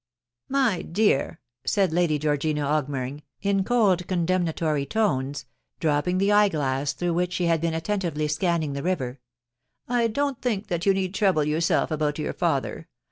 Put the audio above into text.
* My dear T said Lady Georgina Augmering, in cold con demnatory tones, dropping the eye glass through which she had been attentively scanning the river, * I don't think that you need trouble yourself about your father.